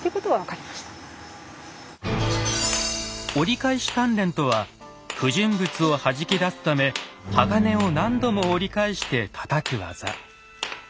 「折り返し鍛錬」とは不純物をはじき出すため鋼を何度も折り返してたたく技。